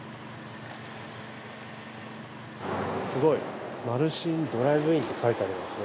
すごい「丸信ドライブイン」って書いてありますね。